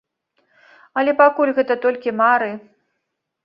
Але пакуль гэта толькі мары.